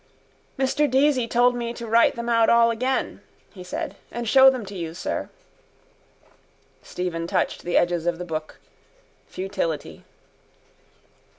—Mr Deasy told me to write them out all again, he said, and show them to you, sir. Stephen touched the edges of the book. Futility.